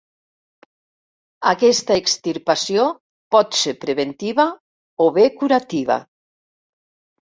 Aquesta extirpació pot ser preventiva o bé curativa.